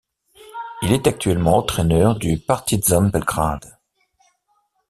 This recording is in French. Il est actuellement entraîneur du Partizan Belgrade.